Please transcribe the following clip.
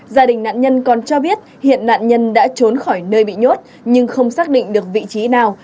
gia đình nạn nhân còn cho biết hiện nạn nhân đã trốn khỏi nơi bị nhốt nhưng không xác định được vị trí nào